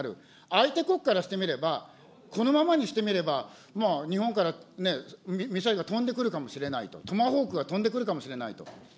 相手国からしてみれば、このままにしてみれば、日本からミサイルが飛んでくるかもしれない、トマホークが飛んでくるかもしれないと。